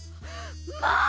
まあ！